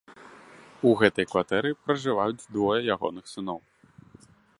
У гэтай кватэры пражываюць двое ягоных сыноў.